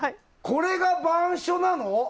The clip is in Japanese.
これが板書なの？